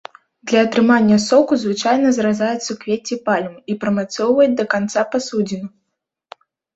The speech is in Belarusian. Для атрымання соку звычайна зразаюць суквецце пальмы і прымацоўваюць да канца пасудзіну.